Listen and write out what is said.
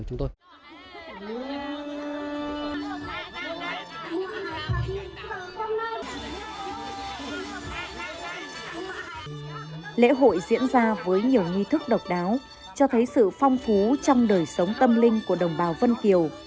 lễ hội diễn ra với nhiều nghi thức độc đáo cho thấy sự phong phú trong đời sống tâm linh của đồng bào vân kiều